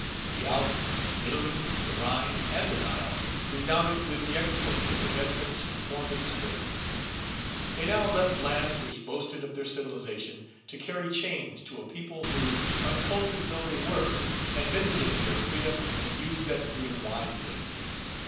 The Alps, Italy, the Rhine, and the Nile resounded with the exploits of the veterans who formed its strength. They now left lands which boasted of their civilization, to carry chains to a people who, uncultured though they were, had vindicated their freedom, and used that freedom wisely.